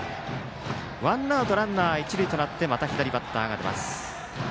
ワンアウトランナー、一塁となってまた左バッターが出ます。